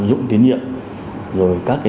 dụng tín nhiệm rồi các xe